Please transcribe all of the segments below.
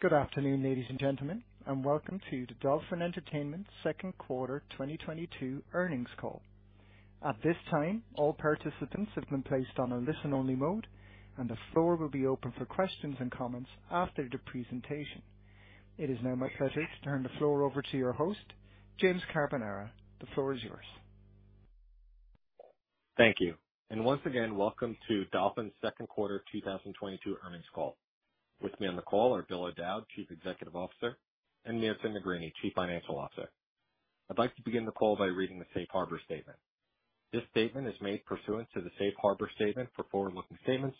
Good afternoon, ladies and gentlemen, and welcome to the Dolphin Entertainment second quarter 2022 earnings call. At this time, all participants have been placed on a listen-only mode, and the floor will be open for questions and comments after the presentation. It is now my pleasure to turn the floor over to your host, James Carbonara. The floor is yours. Thank you. Once again, welcome to Dolphin Entertainment second quarter 2022 earnings call. With me on the call are Bill O'Dowd, Chief Executive Officer, and Mirta Negrini, Chief Financial Officer. I'd like to begin the call by reading the safe harbor statement. This statement is made pursuant to the safe harbor statement for forward-looking statements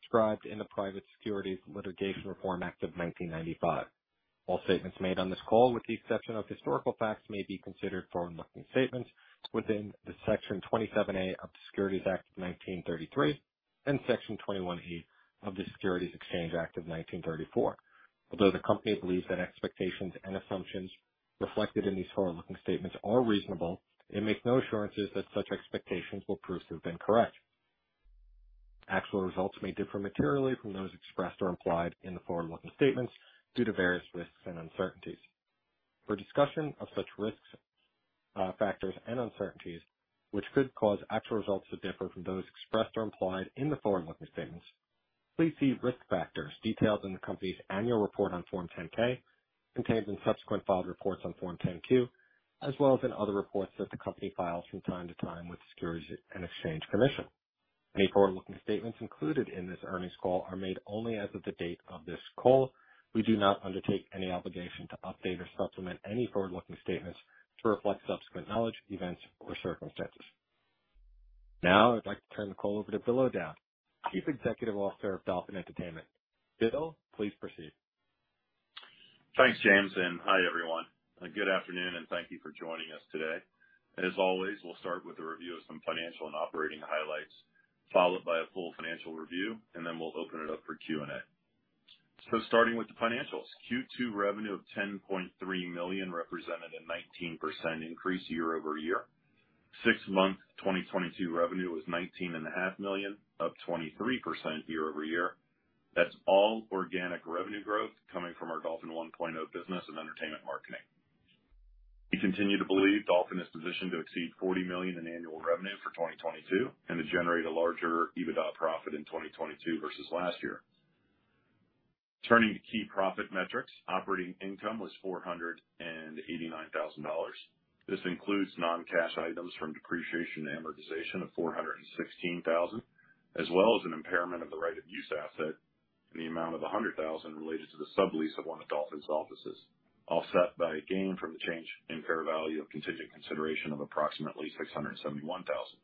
described in the Private Securities Litigation Reform Act of 1995. All statements made on this call, with the exception of historical facts, may be considered forward-looking statements within the Section 27A of the Securities Act of 1933 and Section 21E of the Securities Exchange Act of 1934. Although the company believes that expectations and assumptions reflected in these forward-looking statements are reasonable, it makes no assurances that such expectations will prove to have been correct. Actual results may differ materially from those expressed or implied in the forward-looking statements due to various risks and uncertainties. For discussion of such risks, factors, and uncertainties which could cause actual results to differ from those expressed or implied in the forward-looking statements, please see risk factors detailed in the company's annual report on Form 10-K, contained in subsequent filed reports on Form 10-Q, as well as in other reports that the company files from time to time with the Securities and Exchange Commission. Any forward-looking statements included in this earnings call are made only as of the date of this call. We do not undertake any obligation to update or supplement any forward-looking statements to reflect subsequent knowledge, events, or circumstances. Now I'd like to turn the call over to Bill O'Dowd, Chief Executive Officer of Dolphin Entertainment. Bill, please proceed. Thanks, James, and hi, everyone. Good afternoon, and thank you for joining us today. As always, we'll start with a review of some financial and operating highlights, followed by a full financial review, and then we'll open it up for Q&A. Starting with the financials, Q2 revenue of $10.3 million represented a 19% increase year-over-year. Six-month 2022 revenue was $19.5 million, up 23% year-over-year. That's all organic revenue growth coming from our Dolphin 1.0 business and entertainment marketing. We continue to believe Dolphin is positioned to exceed $40 million in annual revenue for 2022 and to generate a larger EBITDA profit in 2022 versus last year. Turning to key profit metrics, operating income was $489,000. This includes non-cash items from depreciation and amortization of $416 thousand, as well as an impairment of the right of use asset in the amount of $100 thousand related to the sublease of one of Dolphin's offices, offset by a gain from the change in fair value of contingent consideration of approximately $671 thousand.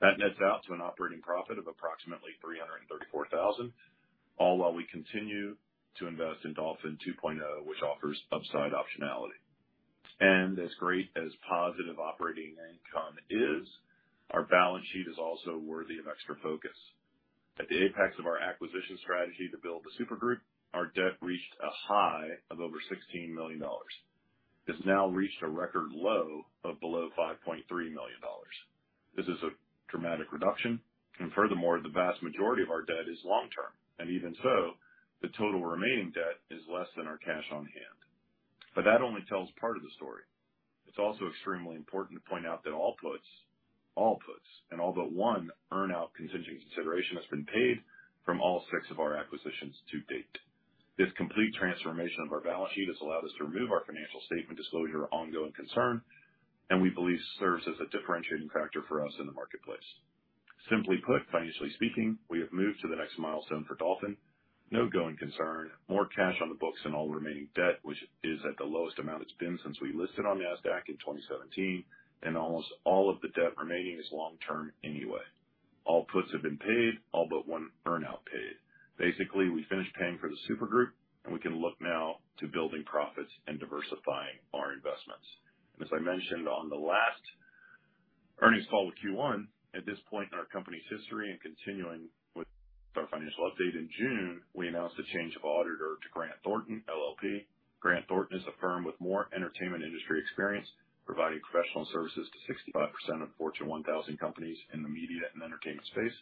That nets out to an operating profit of approximately $334 thousand, all while we continue to invest in Dolphin 2.0, which offers upside optionality. As great as positive operating income is, our balance sheet is also worthy of extra focus. At the apex of our acquisition strategy to build the super group, our debt reached a high of over $16 million, has now reached a record low of below $5.3 million. This is a dramatic reduction. Furthermore, the vast majority of our debt is long-term, and even so, the total remaining debt is less than our cash on hand. That only tells part of the story. It's also extremely important to point out that all puts and all but one earn-out contingent consideration has been paid from all six of our acquisitions to date. This complete transformation of our balance sheet has allowed us to remove our financial statement disclosure of going concern, and we believe serves as a differentiating factor for us in the marketplace. Simply put, financially speaking, we have moved to the next milestone for Dolphin. No going concern, more cash on the books than all remaining debt, which is at the lowest amount it's been since we listed on Nasdaq in 2017, and almost all of the debt remaining is long-term anyway. All puts have been paid, all but one earn out paid. Basically, we finished paying for the super group, and we can look now to building profits and diversifying our investments. As I mentioned on the last earnings call with Q1, at this point in our company's history and continuing with our financial update in June, we announced a change of auditor to Grant Thornton LLP. Grant Thornton is a firm with more entertainment industry experience, providing professional services to 65% of Fortune 1,000 companies in the media and entertainment space.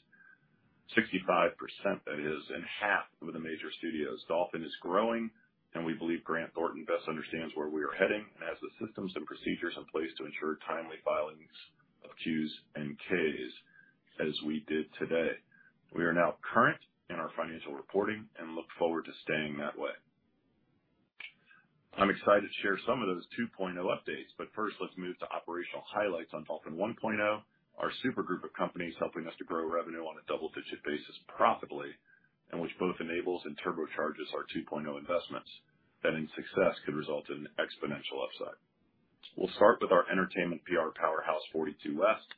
65% that is half of the major studios. Dolphin is growing, and we believe Grant Thornton best understands where we are heading and has the systems and procedures in place to ensure timely filings of Qs and Ks as we did today. We are now current in our financial reporting and look forward to staying that way. I'm excited to share some of those 2.0 updates, but first let's move to operational highlights on Dolphin 1.0, our super group of companies helping us to grow revenue on a double-digit basis profitably, and which both enables and turbocharges our 2.0 investments that in success could result in exponential upside. We'll start with our entertainment PR powerhouse, 42West.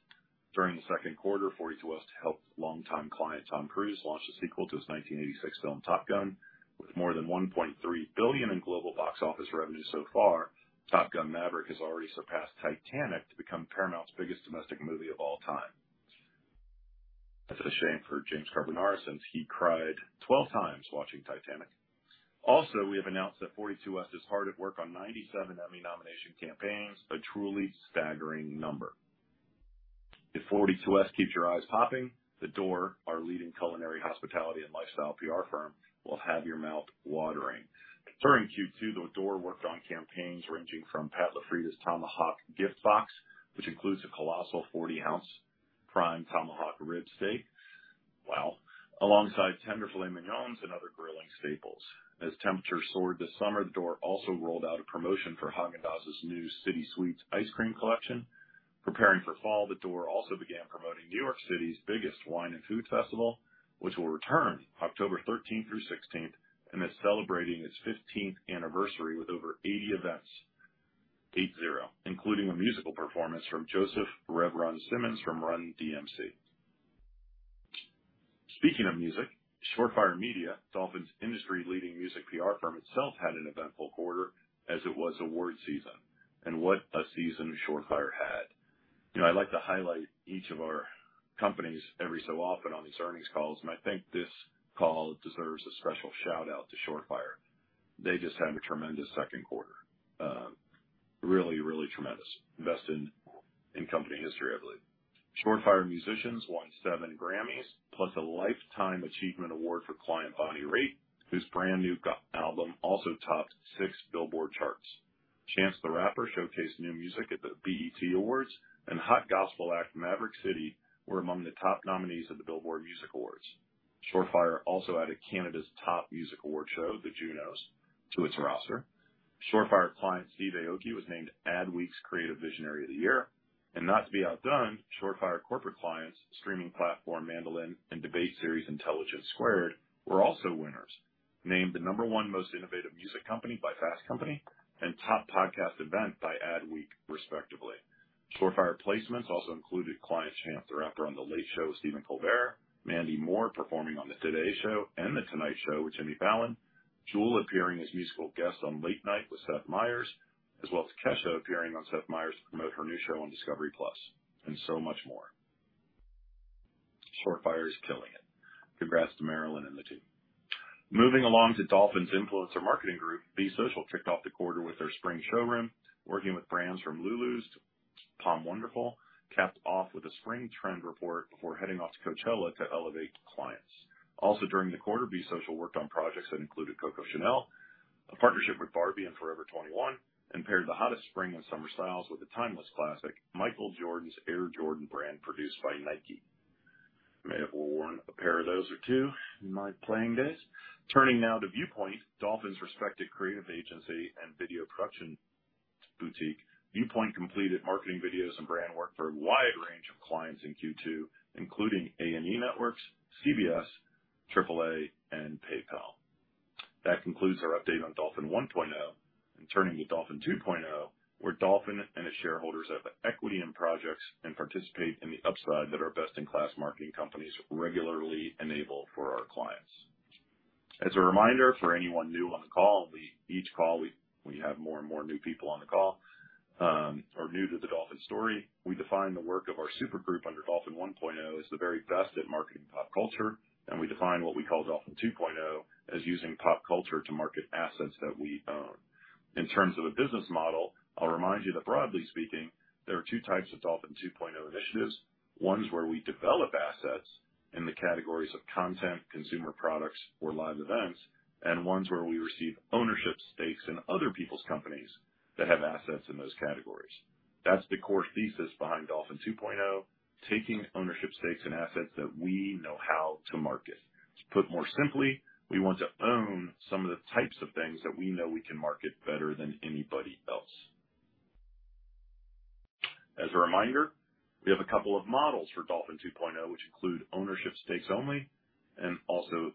During the second quarter, 42West helped longtime client Tom Cruise launch the sequel to his 1986 film, Top Gun, with more than $1.3 billion in global box office revenue so far. Top Gun: Maverick has already surpassed Titanic to become Paramount's biggest domestic movie of all time. That's a shame for James Carbonara since he cried 12 times watching Titanic. Also, we have announced that 42West is hard at work on 97 Emmy nomination campaigns, a truly staggering number. If 42West keeps your eyes popping, The Door, our leading culinary hospitality and lifestyle PR firm, will have your mouth watering. During Q2, The Door worked on campaigns ranging from Pat LaFrieda's Tomahawk gift box, which includes a colossal 40-ounce Prime Tomahawk rib steak. Wow. Alongside tender filet mignons and other grilling staples. As temperatures soared this summer, The Door also rolled out a promotion for Häagen-Dazs' new City Sweets ice cream collection. Preparing for fall, The Door also began promoting New York City's biggest wine and food festival, which will return October 13th through 16th, and is celebrating its 15th anniversary with over 80 events. 80, including a musical performance from Joseph "Rev Run" Simmons from Run DMC. Speaking of music, Shore Fire Media, Dolphin's industry-leading music PR firm itself, had an eventful quarter as it was awards season. What a season Shore Fire had. You know, I like to highlight each of our companies every so often on these earnings calls, and I think this call deserves a special shout-out to Shore Fire. They just had a tremendous second quarter. Really, really tremendous. Best in company history, I believe. Shore Fire musicians won seven Grammys, plus a Lifetime Achievement Award for client Bonnie Raitt, whose brand-new album also topped six Billboard charts. Chance the Rapper showcased new music at the BET Awards, and hot gospel act Maverick City were among the top nominees at the Billboard Music Awards. Shore Fire also added Canada's top music award show, the Junos, to its roster. Shore Fire client Steve Aoki was named Adweek's Creative Visionary of the Year. Not to be outdone, Shore Fire corporate clients, streaming platform Mandolin and debate series Intelligence Squared, were also winners. Named the number one most innovative music company by Fast Company and top podcast event by Adweek, respectively. Shore Fire placements also included client Chance the Rapper on The Late Show with Stephen Colbert, Mandy Moore performing on The Today Show and The Tonight Show with Jimmy Fallon, Jewel appearing as musical guest on Late Night with Seth Meyers, as well as Kesha appearing on Seth Meyers to promote her new show on Discovery+, and so much more. Shore Fire is killing it. Congrats to Marilyn and the team. Moving along to Dolphin's influencer marketing group, Be Social, kicked off the quarter with their spring showroom, working with brands from Lulus to POM Wonderful, capped off with a spring trend report before heading off to Coachella to elevate clients. During the quarter, Be Social worked on projects that included Chanel, a partnership with Barbie and Forever 21, and paired the hottest spring and summer styles with the timeless classic, Michael Jordan's Air Jordan brand, produced by Nike. I may have worn a pair of those or two in my playing days. Turning now to Viewpoint, Dolphin's respected creative agency and video production boutique. Viewpoint completed marketing videos and brand work for a wide range of clients in Q2, including A&E Networks, CBS, AAA, and PayPal. That concludes our update on Dolphin 1.0. Turning to Dolphin 2.0, where Dolphin and its shareholders have equity in projects and participate in the upside that our best-in-class marketing companies regularly enable for our clients. As a reminder for anyone new on the call, each call we have more and more new people on the call, or new to the Dolphin story. We define the work of our supergroup under Dolphin 1.0 as the very best at marketing pop culture, and we define what we call Dolphin 2.0 as using pop culture to market assets that we own. In terms of a business model, I'll remind you that broadly speaking, there are two types of Dolphin 2.0 initiatives. Ones where we develop assets in the categories of content, consumer products or live events, and ones where we receive ownership stakes in other people's companies that have assets in those categories. That's the core thesis behind Dolphin 2.0, taking ownership stakes in assets that we know how to market. To put it more simply, we want to own some of the types of things that we know we can market better than anybody else. As a reminder, we have a couple of models for Dolphin 2.0, which include ownership stakes only and also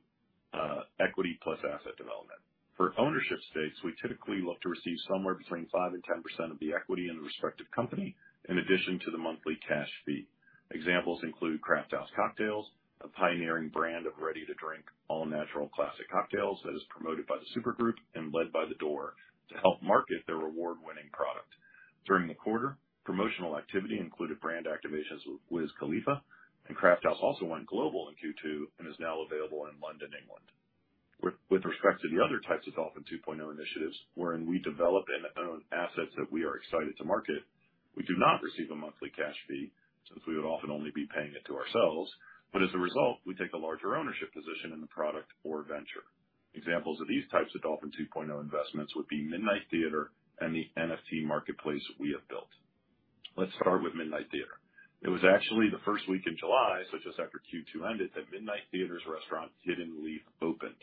equity plus asset development. For ownership stakes, we typically look to receive somewhere between 5%-10% of the equity in the respective company in addition to the monthly cash fee. Examples include Crafthouse Cocktails, a pioneering brand of ready-to-drink, all-natural classic cocktails that is promoted by the supergroup and led by The Door to help market their award-winning product. During the quarter, promotional activity included brand activations with Wiz Khalifa, and Crafthouse Cocktails also went global in Q2 and is now available in London, England. With respect to the other types of Dolphin 2.0 initiatives wherein we develop and own assets that we are excited to market, we do not receive a monthly cash fee since we would often only be paying it to ourselves, but as a result, we take a larger ownership position in the product or venture. Examples of these types of Dolphin 2.0 investments would be Midnight Theatre and the NFT marketplace we have built. Let's start with Midnight Theatre. It was actually the first week in July, so just after Q2 ended, that Midnight Theatre's restaurant, Hidden Leaf, opened.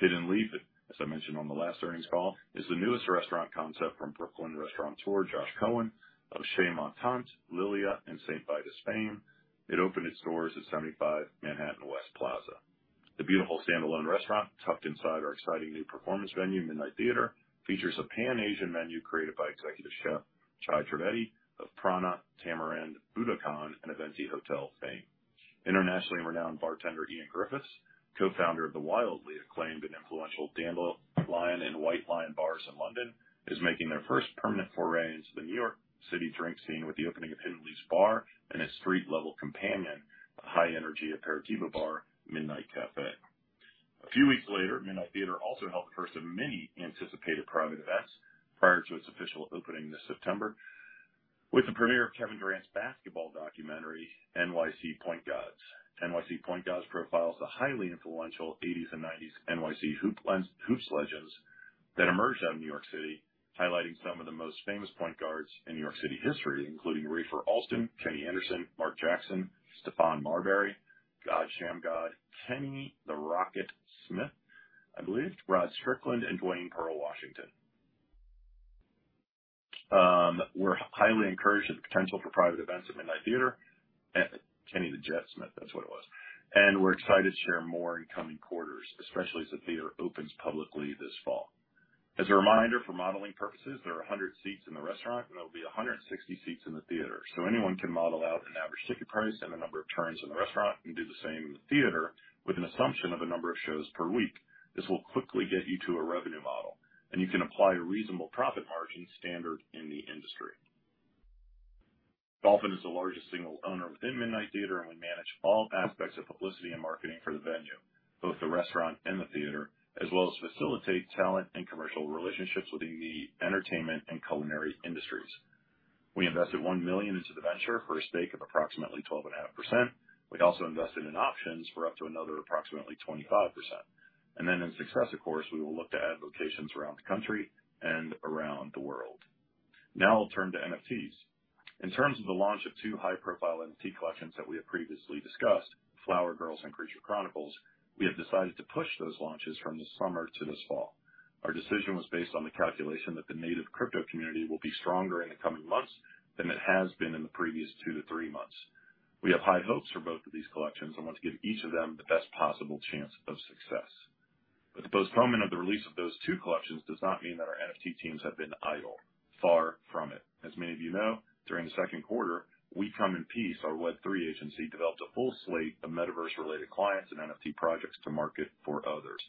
Hidden Leaf, as I mentioned on the last earnings call, is the newest restaurant concept from Brooklyn restaurateur Josh Cohen of Chez Ma Tante, Lilia, and Misi. It opened its doors at 75 Manhattan West Plaza. The beautiful standalone restaurant, tucked inside our exciting new performance venue, Midnight Theatre, features a pan-Asian menu created by executive chef Chai Chaowasaree of Pranna, Tamarind, Buddakan, and Kimpton Hotel Eventi fame. Internationally renowned bartender Iain Griffiths, co-founder of the wildly acclaimed and influential Dandelyan and White Lyan bars in London, is making their first permanent foray into the New York City drink scene with the opening of Hidden Leaf's bar and its street-level companion, the high-energy Aperitivo bar, Midnight Cafe. A few weeks later, Midnight Theatre also held the first of many anticipated private events prior to its official opening this September with the premiere of Kevin Durant's basketball documentary, NYC Point Gods. NYC Point Gods profiles the highly influential eighties and nineties NYC hoops legends that emerged out of New York City, highlighting some of the most famous point guards in New York City history, including Rafer Alston, Kenny Anderson, Mark Jackson, Stephon Marbury, God Shammgod, Kenny "The Jet" Smith, Rod Strickland, and Dwayne "Pearl" Washington. We're highly encouraged by the potential for private events at Midnight Theatre. We're excited to share more in coming quarters, especially as the theater opens publicly this fall. As a reminder, for modeling purposes, there are 100 seats in the restaurant, and there'll be 160 seats in the theater. Anyone can model out an average ticket price and the number of turns in the restaurant and do the same in the theater with an assumption of a number of shows per week. This will quickly get you to a revenue model, and you can apply a reasonable profit margin standard in the industry. Dolphin is the largest single owner within Midnight Theatre, and we manage all aspects of publicity and marketing for the venue, both the restaurant and the theater, as well as facilitate talent and commercial relationships within the entertainment and culinary industries. We invested $1 million into the venture for a stake of approximately 12.5%. We'd also invested in options for up to another approximately 25%. In success, of course, we will look to add locations around the country and around the world. Now I'll turn to NFTs. In terms of the launch of two high-profile NFT collections that we have previously discussed, The Flower Girls and Creature Chronicles, we have decided to push those launches from this summer to this fall. Our decision was based on the calculation that the native crypto community will be stronger in the coming months than it has been in the previous 2 to 3 months. We have high hopes for both of these collections and want to give each of them the best possible chance of success. The postponement of the release of those two collections does not mean that our NFT teams have been idle. Far from it. As many of you know, during the second quarter, We Come In Peace, our Web3 agency, developed a full slate of metaverse-related clients and NFT projects to market for others.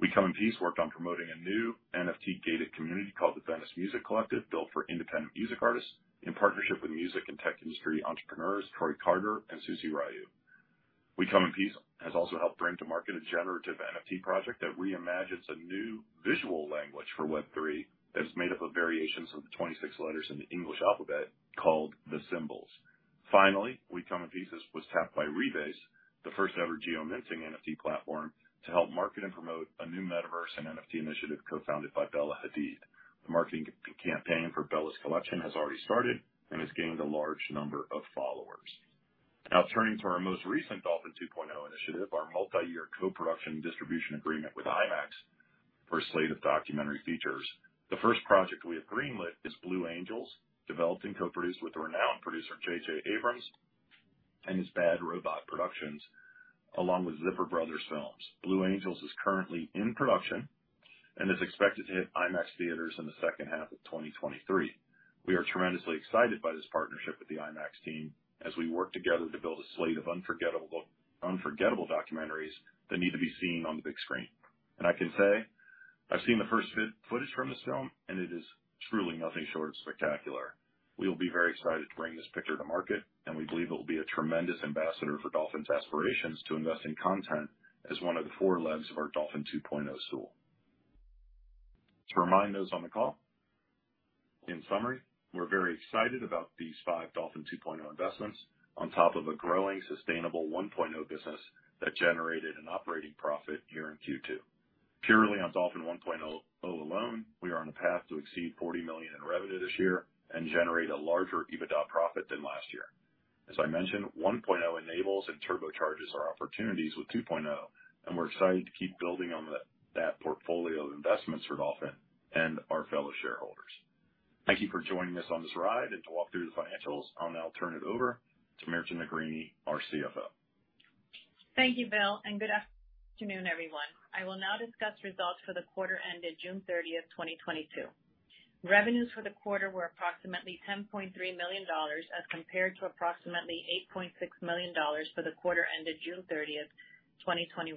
We Come In Peace worked on promoting a new NFT-gated community called the Venice Music Collective, built for independent music artists in partnership with music and tech industry entrepreneurs Troy Carter and Suzy Ryoo. We Come In Peace has also helped bring to market a generative NFT project that reimagines a new visual language for Web3 that's made up of variations of the 26 letters in the English alphabet called The Symbols. Finally, We Come In Peace was tapped by reBASE, the first-ever geo-minting NFT platform, to help market and promote a new metaverse and NFT initiative co-founded by Bella Hadid. The marketing campaign for Bella's collection has already started and has gained a large number of followers. Now turning to our most recent Dolphin 2.0 initiative, our multi-year co-production distribution agreement with IMAX for a slate of documentary features. The first project we have greenlit is The Blue Angels, developed and co-produced with renowned producer J.J. Abrams and his Bad Robot Productions, along with Zipper Bros. Films. The Blue Angels is currently in production and is expected to hit IMAX theaters in the second half of 2023. We are tremendously excited by this partnership with the IMAX team as we work together to build a slate of unforgettable documentaries that need to be seen on the big screen. I can say, I've seen the first footage from this film, and it is truly nothing short of spectacular. We will be very excited to bring this picture to market, and we believe it will be a tremendous ambassador for Dolphin's aspirations to invest in content as one of the four legs of our Dolphin 2.0 stool. To remind those on the call, in summary, we're very excited about these five Dolphin 2.0 investments on top of a growing, sustainable 1.0 business that generated an operating profit here in Q2. Purely on Dolphin 1.0 alone, we are on a path to exceed $40 million in revenue this year and generate a larger EBITDA profit than last year. As I mentioned, 1.0 enables and turbocharges our opportunities with 2.0, and we're excited to keep building on that portfolio of investments for Dolphin and our fellow shareholders. Thank you for joining us on this ride, and to walk through the financials, I'll now turn it over to Mirta Negrini, our CFO. Thank you, Bill, and good afternoon, everyone. I will now discuss results for the quarter ended June 30, 2022. Revenues for the quarter were approximately $10.3 million as compared to approximately $8.6 million for the quarter ended June 30, 2021.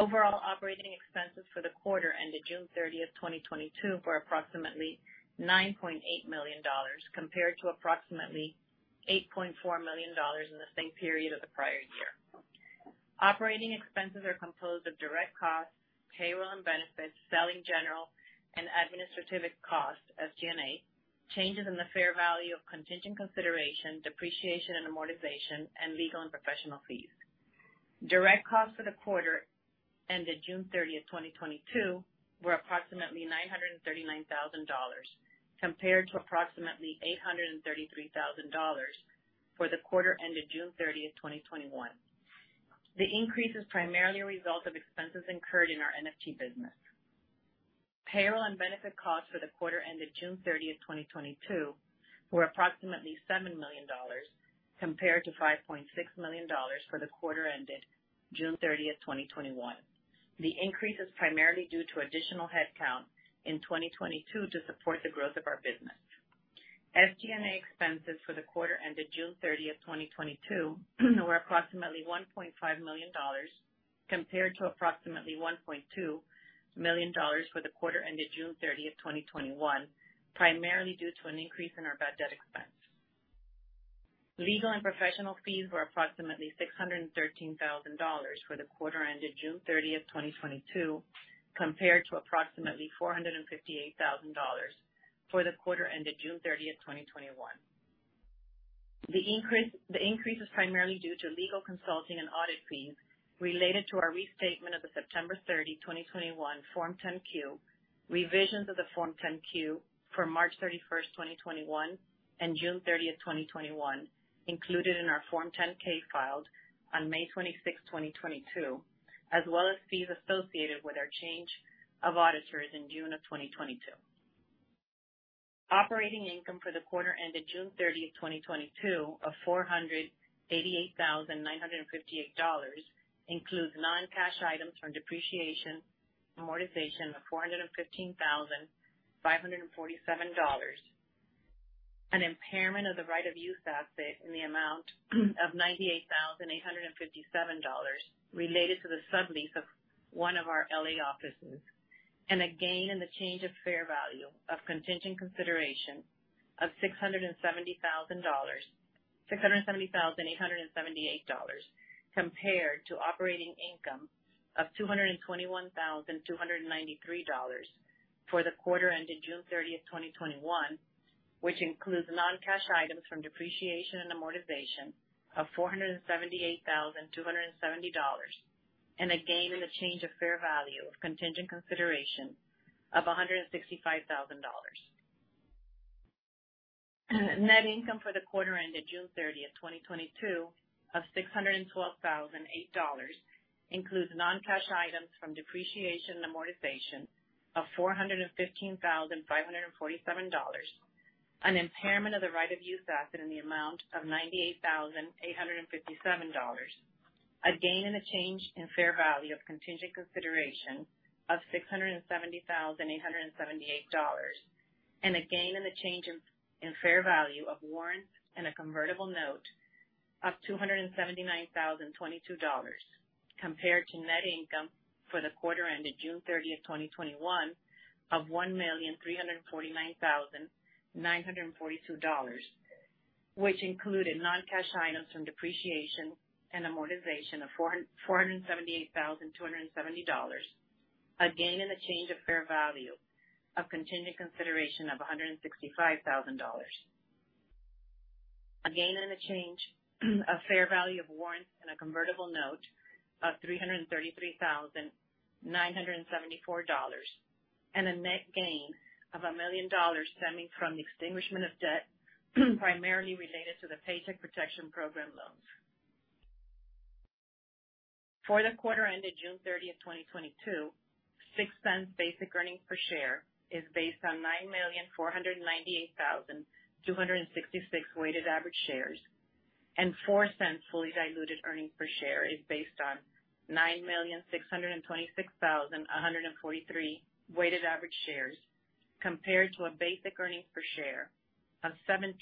Overall operating expenses for the quarter ended June 30, 2022 were approximately $9.8 million compared to approximately $8.4 million in the same period of the prior year. Operating expenses are composed of direct costs, payroll and benefits, selling general and administrative costs, SG&A, changes in the fair value of contingent consideration, depreciation and amortization, and legal and professional fees. Direct costs for the quarter ended June 30, 2022 were approximately $939,000, compared to approximately $833,000 for the quarter ended June 30, 2021. The increase is primarily a result of expenses incurred in our NFT business. Payroll and benefit costs for the quarter ended June 30, 2022 were approximately $7 million, compared to $5.6 million for the quarter ended June 30, 2021. The increase is primarily due to additional headcount in 2022 to support the growth of our business. SG&A expenses for the quarter ended June 30, 2022 were approximately $1.5 million, compared to approximately $1.2 million for the quarter ended June 30, 2021, primarily due to an increase in our bad debt expense. Legal and professional fees were approximately $613,000 for the quarter ended June 30, 2022, compared to approximately $458,000 for the quarter ended June 30, 2021. The increase is primarily due to legal consulting and audit fees related to our restatement of the September 30, 2021 Form 10-Q, revisions of the Form 10-Q for March 31, 2021 and June 30, 2021, included in our Form 10-K filed on May 26, 2022, as well as fees associated with our change of auditors in June 2022. Operating income for the quarter ended June 30, 2022, of $488,958 includes non-cash items from depreciation, amortization of $415,547, an impairment of the right-of-use asset in the amount of $98,857 related to the sublease of one of our L.A. offices, and a gain in the change of fair value of contingent consideration of $670,878 compared to operating income of $221,293 for the quarter ended June 30, 2021, which includes non-cash items from depreciation and amortization of $478,270, and a gain in the change of fair value of contingent consideration of $165,000. Net income for the quarter ended June 30, 2022, of $612,008 includes non-cash items from depreciation and amortization of $415,547, an impairment of the right of use asset in the amount of $98,857, a gain in the change in fair value of contingent consideration of $670,878, and a gain in the change in fair value of warrants and a convertible note of $279,022, compared to net income for the quarter ended June 30, 2021 of $1,349,942, which included non-cash items from depreciation and amortization of $478,270, a gain in the change of fair value of contingent consideration of $165,000, a gain in the change of fair value of warrants and a convertible note of $333,974, and a net gain of $1 million stemming from the extinguishment of debt primarily related to the Paycheck Protection Program loans. For the quarter ended June 30, 2022, $0.06 basic earnings per share is based on 9,498,266 weighted average shares and $0.04 fully diluted earnings per share is based on 9,626,143 weighted average shares compared to a basic earnings per share of $0.17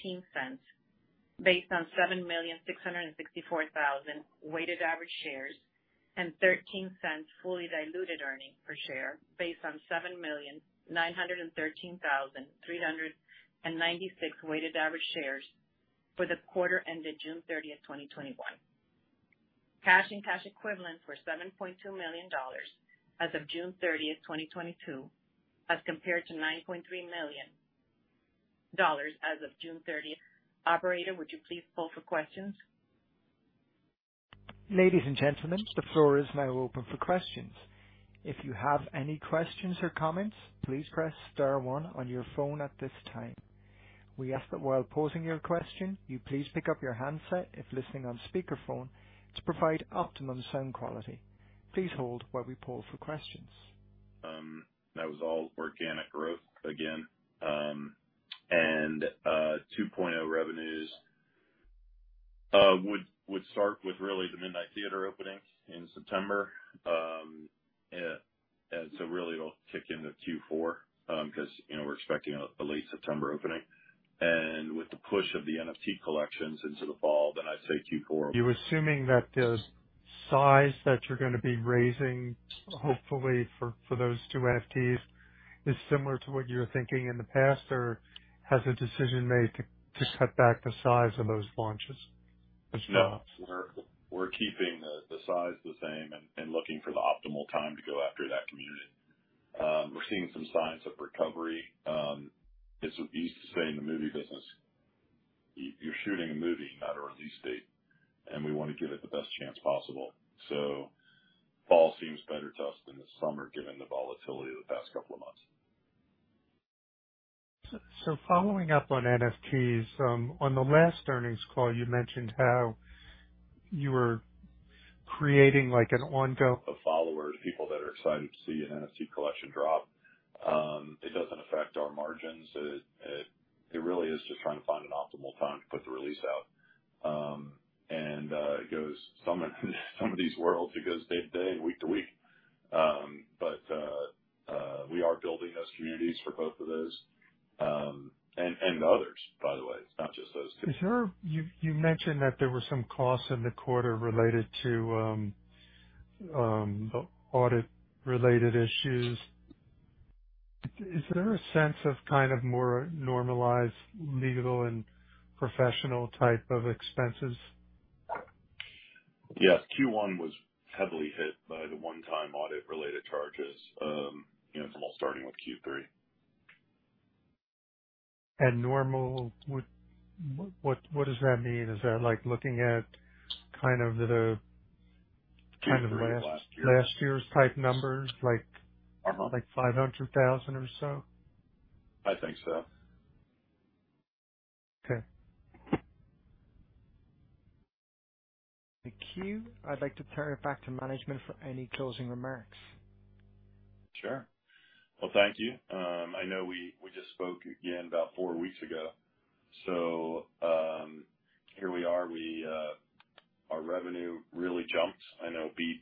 based on 7,664,000 weighted average shares and $0.13 fully diluted earnings per share based on 7,913,396 weighted average shares for the quarter ended June 30, 2021. Cash and cash equivalents were $7.2 million as of June 30, 2022, as compared to $9.3 million as of June 30. Operator, would you please poll for questions? Ladies and gentlemen, the floor is now open for questions. If you have any questions or comments, please press star one on your phone at this time. We ask that while posing your question, you please pick up your handset if listening on speakerphone to provide optimum sound quality. Please hold while we poll for questions. That was all organic growth again, and 2.0 revenues would start with really the Midnight Theatre opening in September. Really it'll kick into Q4, 'cause we're expecting a late September opening. With the push of the NFT collections into the fall, then I'd say Q4. You're assuming that the size that you're gonna be raising, hopefully for those two NFTs, is similar to what you were thinking in the past, or has a decision been made to cut back the size of those launches as well? No, we're keeping the size the same and looking for the optimal time to go after that community. We're seeing some signs of recovery. It's what you used to say in the movie business. You're shooting a movie at a release date, and we wanna give it the best chance possible. Fall seems better to us than the summer, given the volatility of the past couple of months. Following up on NFTs, on the last earnings call, you mentioned how you were creating like an ongoing Of followers, people that are excited to see an NFT collection drop. It doesn't affect our margins. It really is just trying to find an optimal time to put the release out. It goes on in somebody's world, it goes day to day and week to week. We are building those communities for both of those, and others, by the way. It's not just those two. You mentioned that there were some costs in the quarter related to audit-related issues. Is there a sense of kind of more normalized legal and professional type of expenses? Yes. Q1 was heavily hit by the one-time audit related charges. You know, it's all starting with Q3. What does that mean? Is that like looking at kind of the last- Q3 of last year. Last year's topline numbers, like 500,000 or so? I think so. Okay. The queue. I'd like to turn it back to management for any closing remarks. Sure. Well, thank you. I know we just spoke again about four weeks ago, so here we are. Our revenue really jumped. I know it beat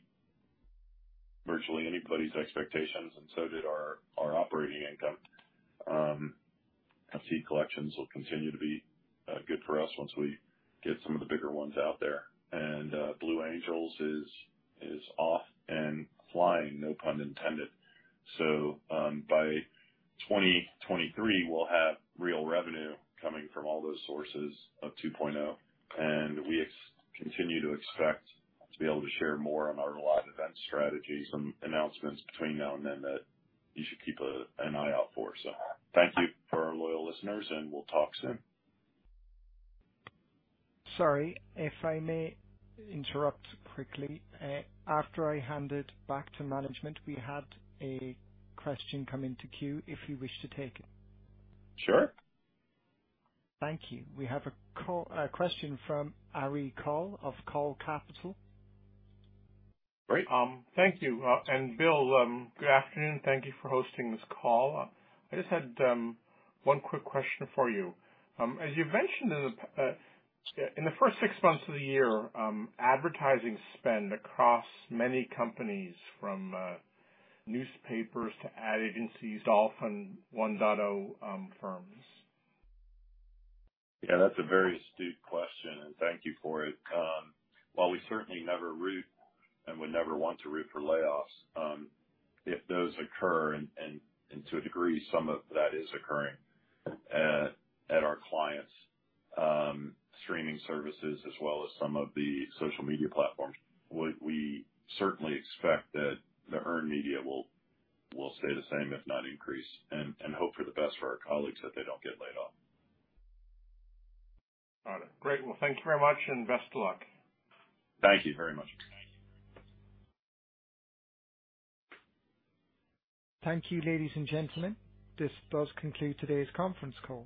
virtually anybody's expectations and so did our operating income. FC collections will continue to be good for us once we get some of the bigger ones out there. Blue Angels is off and flying, no pun intended. By 2023, we'll have real revenue coming from all those sources of 2.0. We continue to expect to be able to share more on our live event strategy, some announcements between now and then that you should keep an eye out for. Thank you for our loyal listeners, and we'll talk soon. Sorry, if I may interrupt quickly. After I hand it back to management, we had a question come into queue, if you wish to take it. Sure. Thank you. We have a question from Allen Klee of Maxim Group. Great. Thank you. Bill, good afternoon. Thank you for hosting this call. I just had one quick question for you. As you've mentioned in the first six months of the year, advertising spend across many companies from newspapers to ad agencies, often one data firms. Yeah, that's a very astute question, and thank you for it. While we certainly never root and would never want to root for layoffs, if those occur, and to a degree some of that is occurring at our clients, streaming services as well as some of the social media platforms, we certainly expect that the earned media will stay the same, if not increase, and hope for the best for our colleagues that they don't get laid off. Got it. Great. Well, thank you very much, and best of luck. Thank you very much. Thank you, ladies and gentlemen. This does conclude today's conference call.